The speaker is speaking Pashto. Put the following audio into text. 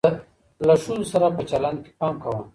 له ښځو سره په چلند کي پام کوه.